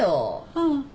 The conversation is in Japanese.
うん。